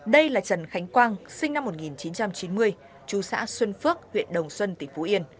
đây là trần khánh quang sinh năm một nghìn chín trăm chín mươi chú xã xuân phước huyện đồng xuân tỉnh phú yên